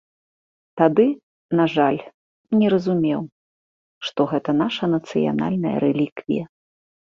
Тады, на жаль, не разумеў, што гэта наша нацыянальная рэліквія.